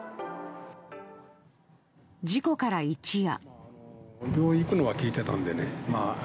事故から一夜。